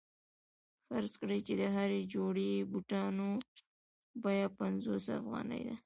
فرض کړئ چې د هرې جوړې بوټانو بیه پنځوس افغانۍ ده